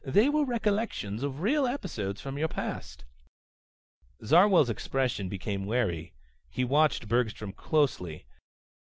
They were recollections of real episodes from your past." Zarwell's expression became wary. He watched Bergstrom closely.